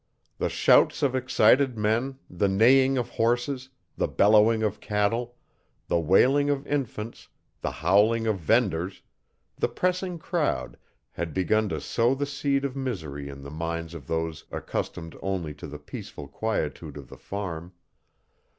The shouts of excited men, the neighing of horses, the bellowing of cattle, the wailing of infants, the howling of vendors, the pressing crowd, had begun to sow the seed of misery in the minds of those accustomed only to the peaceful quietude of the farm.